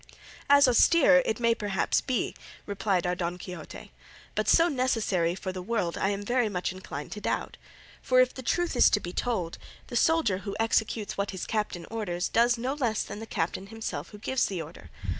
"As austere it may perhaps be," replied our Don Quixote, "but so necessary for the world I am very much inclined to doubt. For, if the truth is to be told, the soldier who executes what his captain orders does no less than the captain himself who gives the order.